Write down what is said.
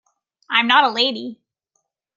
I am not a lady.